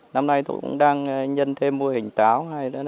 năm nay tôi cũng đang nhân thêm mô hình táo